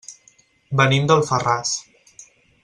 Venim d'Alfarràs.